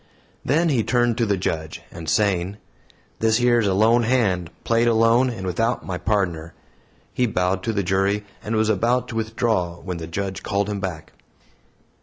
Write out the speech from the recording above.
Then he turned to the Judge, and saying, "This yer is a lone hand, played alone, and without my pardner," he bowed to the jury and was about to withdraw when the Judge called him back.